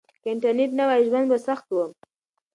که انټرنيټ نه وای ژوند به سخت و.